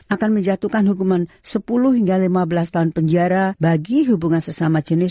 akan menjatuhkan hukuman sepuluh hingga lima belas tahun penjara bagi hubungan sesama jenis